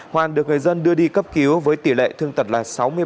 hoàn được người dân đưa đi cấp cứu với tỷ lệ thương tật là sáu mươi ba